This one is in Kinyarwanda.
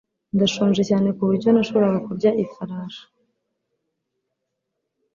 Ndashonje cyane kuburyo nashoboraga kurya ifarashi.